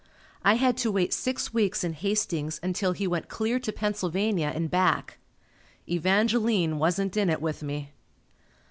I had to wait six weeks in Hastings until he went clear to Pennsylvania and back. Evangeline wasn't in it with me.